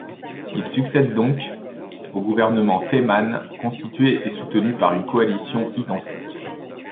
Il succède donc au gouvernement Faymann, constitué et soutenu par une coalition identique.